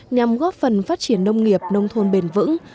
nhằm góp phần phát triển nông nghiệp nông thôn bền vững